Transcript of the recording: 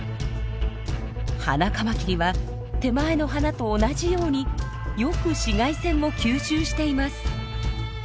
ハナカマキリは手前の花と同じようによく紫外線を吸収しています。